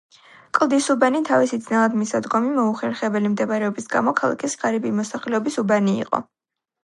კლდისუბანი თავისი ძნელად მისადგომი, მოუხერხებელი მდებარეობის გამო ქალაქის ღარიბი მოსახლეობის უბანი იყო.